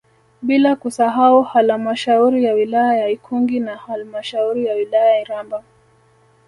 Bila kusahau Halamashauri ya wilaya ya Ikungi na halmashauri ya wilaya Iramba